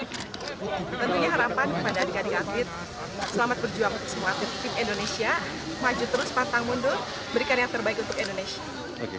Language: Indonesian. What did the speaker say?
tentunya harapan kepada adik adik atlet selamat berjuang untuk semua atlet tim indonesia maju terus pantang mundur berikan yang terbaik untuk indonesia